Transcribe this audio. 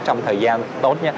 trong thời gian tốt nha